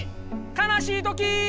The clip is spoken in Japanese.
かなしいときー！